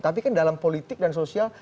tapi kan dalam politik dan sosial